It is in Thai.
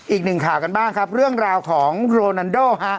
อีกหนึ่งข่าวกันบ้างครับเรื่องราวของโรนันโดฮะ